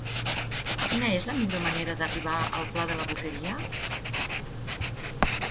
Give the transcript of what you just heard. Quina és la millor manera d'arribar al pla de la Boqueria?